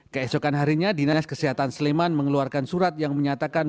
keesokan harinya dinas kesehatan sleman mengeluarkan surat yang menyatakan